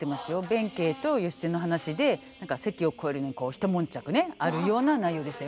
弁慶と義経の話で関を越えるのに一悶着ねあるような内容でしたよね。